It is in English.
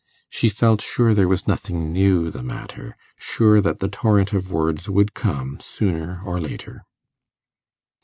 She felt sure there was nothing new the matter sure that the torrent of words would come sooner or later.